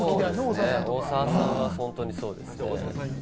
大沢さんは本当にそうですね。